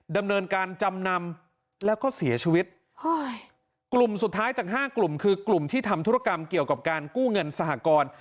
ดำเนินการจำนำแล้วก็เสียชีวิตกลุ่มสุดท้ายจากห้ากลุ่มคือกลุ่มที่ทำธุรกรรมเกี่ยวกับการกู้เงินสหกร